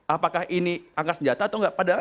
apakah ini angkat senjata atau enggak